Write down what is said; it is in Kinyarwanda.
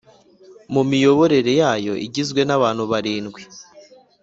mu miyoborere yayo Igizwe n abantu barindwi